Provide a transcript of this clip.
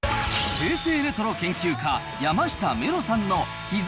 平成レトロ研究家、山下メロさんの秘蔵！